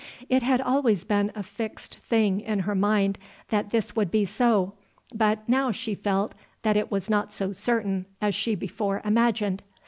It had always been a fixed thing in her mind that this would be so, but now she felt that it was not so certain as she before imagined.